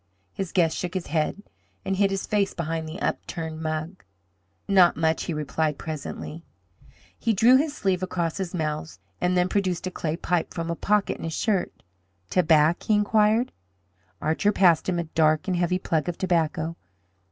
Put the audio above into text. His guest shook his head and hid his face behind the upturned mug. "Not much," he replied, presently. He drew his sleeve across his mouth, and then produced a clay pipe from a pocket in his shirt. "Tobac?" he inquired. Archer passed him a dark and heavy plug of tobacco.